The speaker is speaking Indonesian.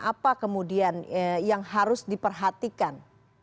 apa kemudian yang harus diperhatikan